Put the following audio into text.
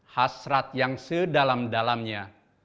hasrat yang sedalam dalamnya